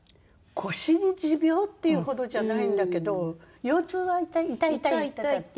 腰に持病っていうほどじゃないんだけど腰痛は「痛い痛い」って。